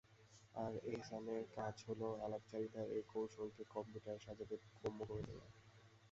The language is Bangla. আর এহসানের কাজ হলো আলাপচারিতার এই কৌশলগুলোকে কম্পিউটারের কাছে বোধগম্য করে তোলা।